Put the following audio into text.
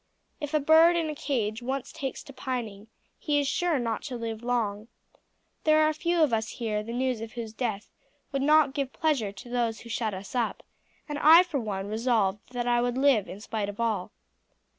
If a bird in a cage once takes to pining he is sure not to live long. There are few of us here the news of whose death would not give pleasure to those who shut us up, and I for one resolved that I would live in spite of all."